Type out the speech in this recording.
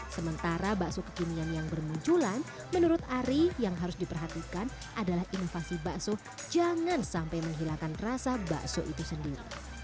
sementara bakso kekinian yang bermunculan menurut ari yang harus diperhatikan adalah inovasi bakso jangan sampai menghilangkan rasa bakso itu sendiri